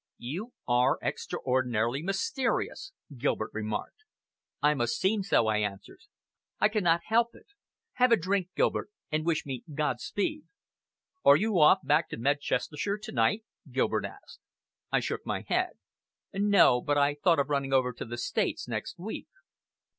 "You are extraordinarily mysterious," Gilbert remarked. "I must seem so," I answered, "I cannot help it. Have a drink, Gilbert, and wish me God speed!" "Are you off back to Medchestershire to night?" Gilbert asked. I shook my head. "No! but I thought of running over to the States next week."